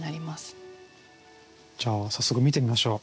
じゃあ早速見てみましょう。